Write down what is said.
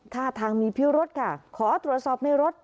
ท่าทางมีพิรุธค่ะขอตรวจสอบในรถ